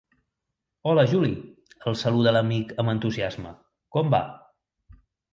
Hola Juli! —el saluda l'amic amb entusiasme— Com va?